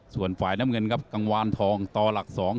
ส่วนฝ่ายน้ำเงินครับกังวานทองต่อหลัก๒